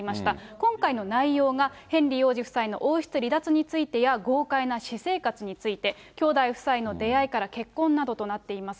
今回の内容が、ヘンリー王子夫妻の王室離脱についてや、豪快な私生活について、兄弟夫妻の出会いから結婚などとなっています。